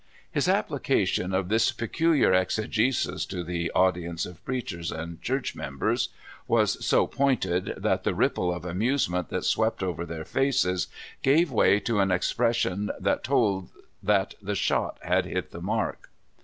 His application of this peculiar exegesis to the audience of preachers and Church 4 ^O CALIFORNIA SKETCHES. members was so pointed that the ripple of amuse ment that swept over their faces gave way to an expression that told that the shot had hit the mark.